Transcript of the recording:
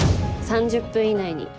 ３０分以内に。